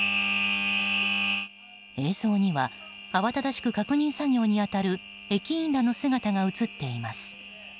映像には、慌ただしく確認作業に当たる駅員らの姿が映っています。